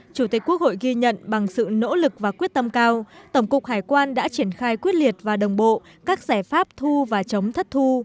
chủ tịch quốc hội ghi nhận bằng sự nỗ lực và quyết tâm cao tổng cục hải quan đã triển khai quyết liệt và đồng bộ các giải pháp thu và chống thất thu